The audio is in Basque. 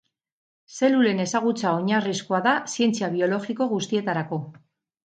Zelulen ezagutza oinarrizkoa da zientzia biologiko guztietarako.